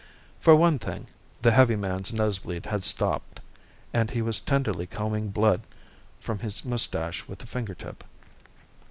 For one thing, the heavy man's nosebleed had stopped, and he was tenderly combing blood from his mustache with a fingertip.